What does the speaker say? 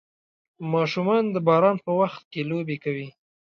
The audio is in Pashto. ماشومان د باران په وخت کې لوبې کوي.